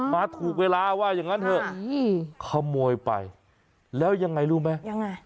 มาถูกเวลาว่าอย่างนั้นเถอะขโมยไปแล้วยังไงรู้ไหมยังไง